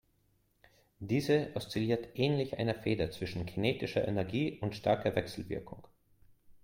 Diese oszilliert ähnlich einer Feder zwischen kinetischer Energie und starker Wechselwirkung.